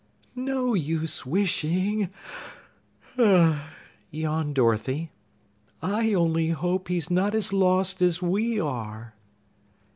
"No use wishing," yawned Dorothy. "I only hope he's not as lost as we are."